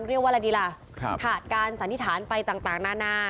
เรียกว่าอะไรดีล่ะขาดการสันนิษฐานไปต่างนานา